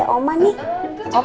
opa mau gendong